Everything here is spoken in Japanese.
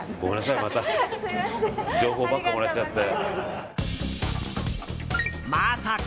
情報ばっかもらっちゃって。